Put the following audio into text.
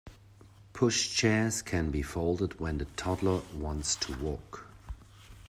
Pushchairs can be folded when the toddler wants to walk